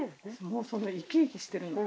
もうそれ生き生きしてるの。